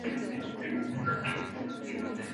就如汉武帝见到卫子夫的经历一般。